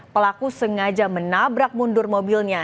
pelaku sengaja menabrak mundur mobilnya